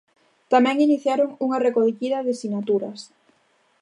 Tamén iniciaron unha recollida de sinaturas.